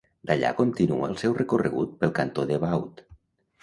D'allà continua el seu recorregut pel cantó de Vaud.